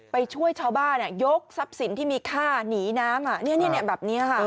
ไปช่วยชาวบ้านยกทรัพย์สินที่มีค่าหนีน้ำแบบนี้ค่ะ